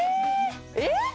えっ！？